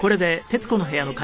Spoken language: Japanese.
『徹子の部屋』は